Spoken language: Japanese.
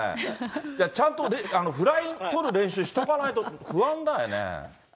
ちゃんとフライ捕る練習しとかないと不安だよね。